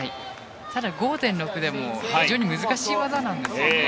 ただ、５．６でも非常に難しい技なんですよね。